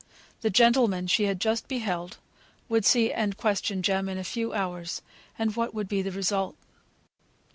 The gentleman she had just beheld would see and question Jem in a few hours, and what would be the result?